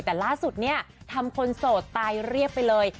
แต่ล่าสุดเนี่ยทำคนโสดตายเรียบไปเลย